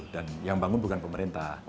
dan yang bangun bukan pemerintah